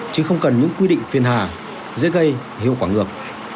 chứ không cần những quy định phiền hà dễ gây hiệu quả ngược